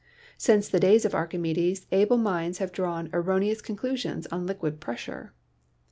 Since the days of Archimedes able minds have drawn erroneous conclusions on liquid pressure.